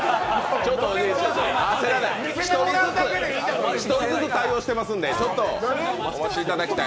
焦らない、１人ずつ対応してますんでちょっとお待ちいただきたい。